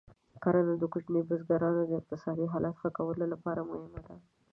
کرنه د کوچنیو بزګرانو د اقتصادي حالت ښه کولو لپاره مهمه ده.